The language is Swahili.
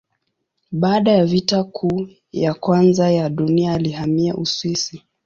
Baada ya Vita Kuu ya Kwanza ya Dunia alihamia Uswisi.